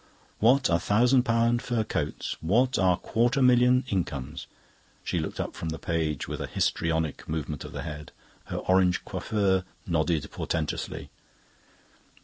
"'What are thousand pound fur coats, what are quarter million incomes?'" She looked up from the page with a histrionic movement of the head; her orange coiffure nodded portentously.